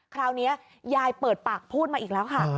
คราวนี้ยายเปิดปากพูดมาอีกแล้วค่ะ